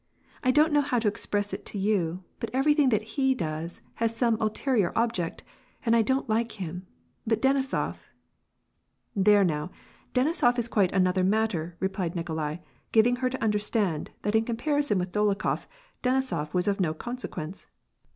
I don't know how to express it to you, but everything that he does has some ulterior object, and I don't like him ; but Denisof "—" There now, Denisof is quite another matter," replied Ni kolai, giving her to understand, that in comparison with Dol okhof; Denisof was of no consequence.